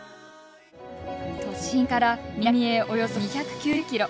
都心から南へおよそ２９０ｋｍ。